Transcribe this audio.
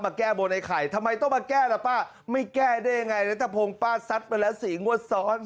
แก้บนไอ้ไข่ทำไมต้องมาแก้ล่ะป้าไม่แก้ได้ยังไงนัทพงศ์ป้าซัดไปแล้วสี่งวดซ้อน